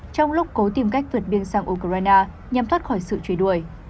trong lúc cố tìm cách vượt biên sang ukraine nhằm thoát khỏi sự truy đuổi